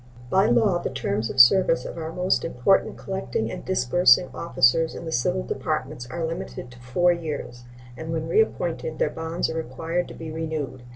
By law the terms of service of our most important collecting and disbursing officers in the civil departments are limited to four years, and when reappointed their bonds are required to be renewed.